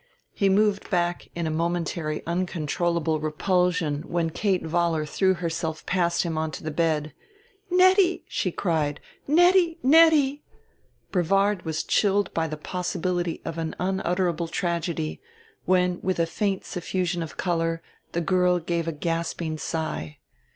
He moved back in a momentary uncontrollable repulsion when Kate Vollar threw herself past him onto the bed. "Nettie!" she cried, "Nettie! Nettie!" Brevard was chilled by the possibility of an unutterable tragedy, when with a faint suffusion of color the girl gave a gasping sigh.